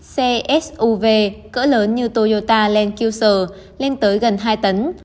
xe suv cỡ lớn như toyota land cruiser lên tới gần hai tấn